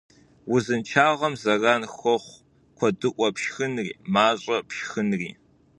Узыншагъэм зэран хуохъу куэдыӀуэ пшхынри мащӀэ пшхынри.